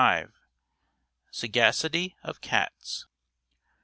_] SAGACITY OF CATS.